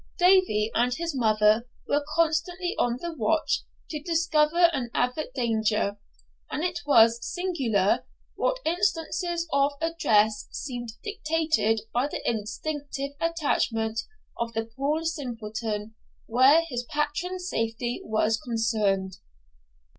Davie and his mother were constantly on the watch to discover and avert danger; and it was singular what instances of address seemed dictated by the instinctive attachment of the poor simpleton when his patron's safety was concerned.